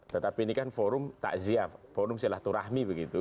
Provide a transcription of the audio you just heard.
tetapi ini kan forum takziah forum silaturahmi begitu